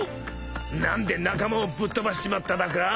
［何で仲間をぶっ飛ばしちまっただか？］